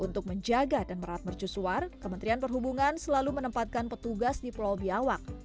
untuk menjaga dan merat mercusuar kementerian perhubungan selalu menempatkan petugas di pulau biawak